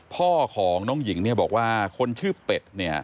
พ่อของน้องหญิงเนี่ยบอกว่าคนชื่อเป็ดเนี่ย